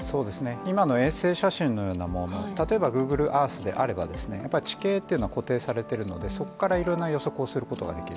今の衛星写真のような、例えばＧｏｏｇｌｅＥａｒｔｈであれば地形というのは固定されているのでそこからいろいろな予測をすることができる。